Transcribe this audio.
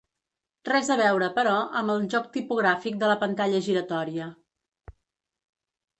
Res a veure, però, amb el joc tipogràfic de la pantalla giratòria.